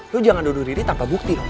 lu jangan duduk riri tanpa bukti